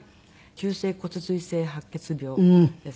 急性骨髄性白血病ですね。